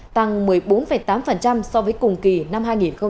tăng một mươi bốn tám so với cùng kỳ năm hai nghìn hai mươi